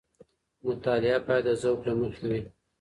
مطالعه باید د ذوق له مخې وي.